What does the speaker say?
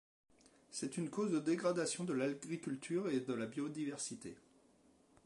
C'est une cause de dégradation de l'agriculture et de la biodiversité.